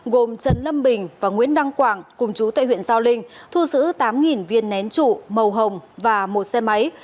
gồm trần lâm bình và nguyễn đăng quảng cùng chú tại huyện giao linh thu giữ tám viên nén trụ màu hồng và một xe máy